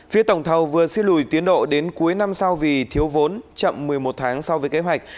phía tổng thầu vừa xin lùi tiến độ đến cuối năm sau vì thiếu vốn chậm một mươi một tháng so với kế hoạch